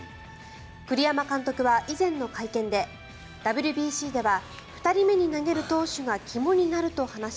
栗山監督は以前の会見でＷＢＣでは２人目に投げる投手が肝になると話し